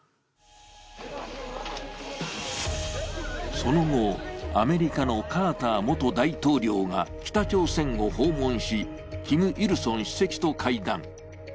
その後、アメリカのカーター元大統領が北朝鮮を訪問し、キム・イルソン主席と会談。